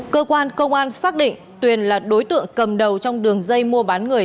cơ quan công an xác định tuyền là đối tượng cầm đầu trong đường dây mua bán người